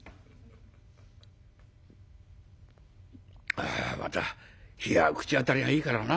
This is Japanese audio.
「あまた冷やは口当たりがいいからな」。